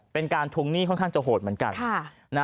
เป็นการทวงหนี้ค่อนข้างจะโหดเหมือนกัน